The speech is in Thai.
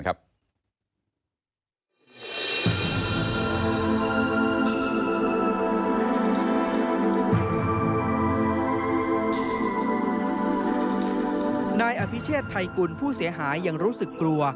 นายอภิเชษไทยกุลผู้เสียหายยังรู้สึกกลัว